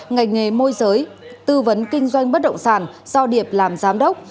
ngành nghề môi giới tư vấn kinh doanh bất động sản do điệp làm giám đốc